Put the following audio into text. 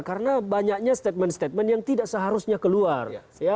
karena banyaknya statement statement yang tidak seharusnya keluar